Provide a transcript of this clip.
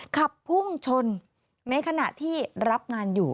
ขับพุ่งชนในขณะที่รับงานอยู่